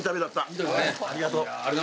ありがとう。